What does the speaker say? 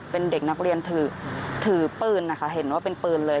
เป็นเด็กนักเรียนถือปืนนะคะเห็นว่าเป็นปืนเลย